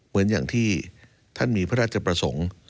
เหมือนอย่างที่ท่านมีพระราชประสงค์